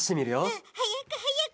うんはやくはやく！